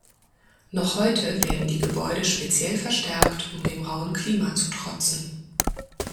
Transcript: Noch heute werden die Gebäude speziell verstärkt um dem rauen Klima zu trotzen.